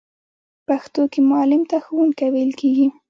په پښتو کې معلم ته ښوونکی ویل کیږی.